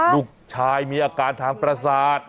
ลูกชายมีอาการทางประสาท